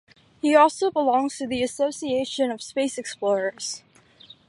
He also belongs to the Association of Space Explorers.